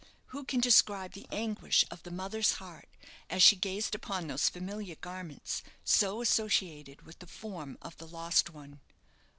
who can describe the anguish of the mother's heart as she gazed upon those familiar garments, so associated with the form of the lost one?